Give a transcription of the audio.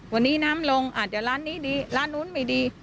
วันนี้น้ำลงอาจจะร้านนี้ดีร้านนู้นไม่ดี